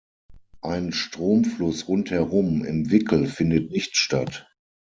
Ein Stromfluss rundherum im Wickel findet nicht statt.